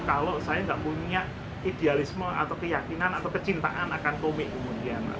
kalau saya tidak punya idealisme atau keyakinan atau kecintaan akan komik kemudian